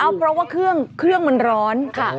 เพราะว่าเครื่องมันร้อนค่ะ